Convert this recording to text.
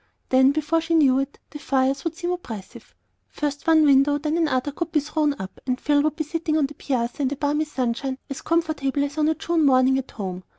Then, before she knew it, fires would seem oppressive; first one window and then another would be thrown up, and Phil would be sitting on the piazza in the balmy sunshine as comfortable as on a June morning at home.